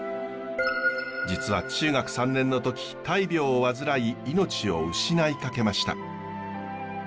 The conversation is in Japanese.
実は中学３年の時大病を患い命を失いかけました。